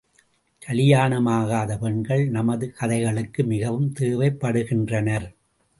கலியாணமாகாத பெண்கள் நம் கதைகளுக்கு மிகவும் தேவைப்படுகின்றனர்.